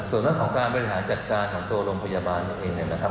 ส่วนเรื่องของการบริหารจัดการของตัวโรงพยาบาลเราเองเนี่ยนะครับ